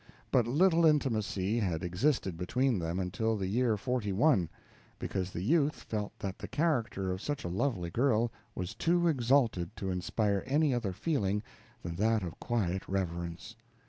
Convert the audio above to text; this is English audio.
But little intimacy had existed between them until the year forty one because the youth felt that the character of such a lovely girl was too exalted to inspire any other feeling than that of quiet reverence.